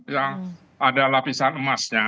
yang ada lapisan emasnya